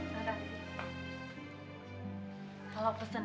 terima kasih ya umi